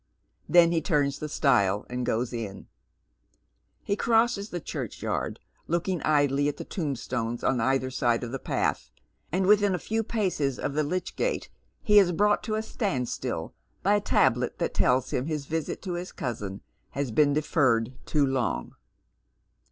Then he turns the stile and goes in. He crosses the churchyard, looking idly at the tombstones on either side the path, and witliin a few paces of the lych gate h© is brought to a standstill by a tablet that tells him his visit to Lis cousin has been defeiTed too long.